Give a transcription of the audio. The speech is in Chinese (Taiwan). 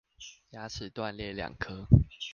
牙齒斷裂兩顆